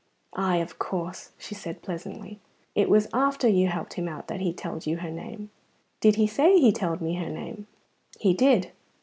"Ay, of course," she said pleasantly. "It was after you helped him out that he telled you her name." "Did he say he telled me her name?" "He did."